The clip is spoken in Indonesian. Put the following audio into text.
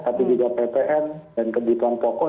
tapi juga ppn dan kebutuhan pokok